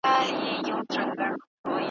پر سکروټو مي لیکلي جهاني د غزل توري `